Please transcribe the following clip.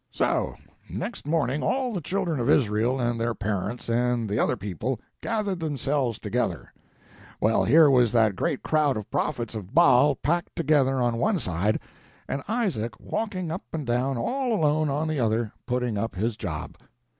"So next morning all the children of Israel and their parents and the other people gathered themselves together. Well, here was that great crowd of prophets of Baal packed together on one side, and Isaac walking up and down all alone on the other, putting up his job.